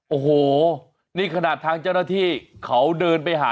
โอหูนี่ขนาดจังหลักที่เขาเดินไว้หา